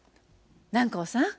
南光さん